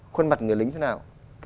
khuôn mặt người lính thế nào